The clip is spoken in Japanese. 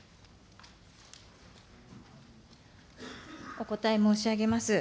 お答え申し上げます。